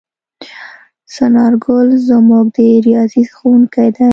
څنارګل زموږ د ریاضي ښؤونکی دی.